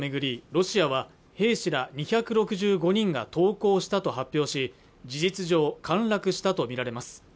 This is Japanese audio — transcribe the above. ロシアは兵士ら２６５人が投降したと発表し事実上陥落したと見られます